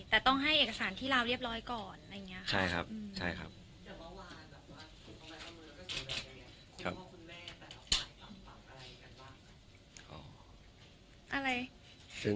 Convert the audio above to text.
แต่ต้องให้เอกสารที่ลาวเรียบร้อยก่อน